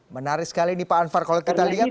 menarik sekali ini pak anwar kalau kita lihat